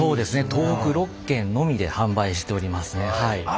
東北６県のみで販売しておりますね。